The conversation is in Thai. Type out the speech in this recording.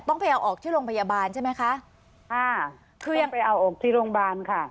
ต้องไปเอาออกที่โรงพยาบาลใช่ไหมคะอ่าคือยังไปเอาออกที่โรงพยาบาลค่ะ